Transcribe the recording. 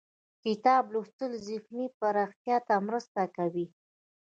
د کتاب لوستل ذهني پراختیا ته مرسته کوي.